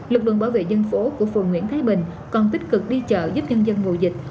lực lượng bảo vệ dân phố của phường nguyễn thái bình còn tích cực đi chợ giúp nhân dân ngồi dịch